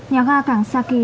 nhà ga cảng sa kỳ